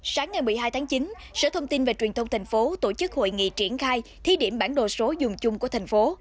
sáng ngày một mươi hai tháng chín sở thông tin và truyền thông thành phố tổ chức hội nghị triển khai thi điểm bản đồ số dùng chung của thành phố